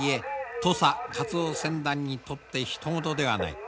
土佐カツオ船団にとってひと事ではない。